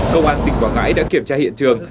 công an tỉnh quảng ngãi đã kiểm tra hiện trường